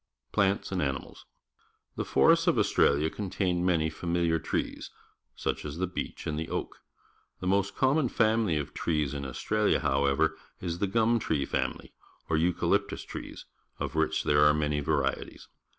Plants and Animals. — The forests of Aus tralia contain many familiar trees, such as the be ech and the oak. The most common family of trees in Australia, however, is the gum tree family, or eucalyi^tus trees, of which there are man}' varieties.